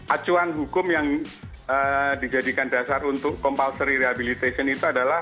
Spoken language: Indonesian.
acuan hukum yang dijadikan dasar untuk compulsory rehabilitation itu adalah